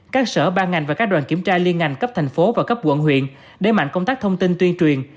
các sở ban ngành và các đoàn kiểm tra liên ngành cấp thành phố và cấp quận huyện đẩy mạnh công tác thông tin tuyên truyền